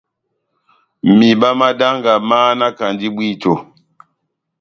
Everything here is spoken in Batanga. Mihiba má danga máhanakandi bwíto.